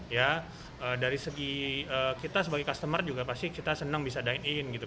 ya dari segi kita sebagai customer juga pasti kita senang bisa dine in gitu